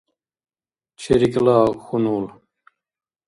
ЧерикӀла хьунул